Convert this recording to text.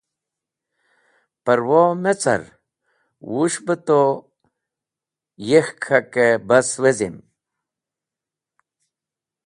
Pẽrwo me car wus̃h bẽ to yek̃hkẽ bas wezim.